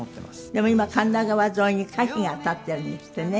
でも今神田川沿いに歌碑が立っているんですってね。